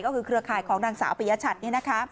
ก็คือเครือข่ายของดังสาวปียชัตริย์